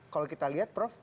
kalau kita lihat prof